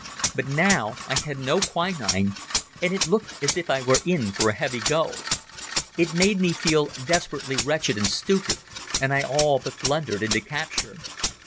But now I had no quinine, and it looked as if I were in for a heavy go. It made me feel desperately wretched and stupid, and I all but blundered into capture.